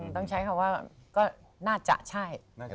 ต้องใช้คำว่าก็น่าจะใช่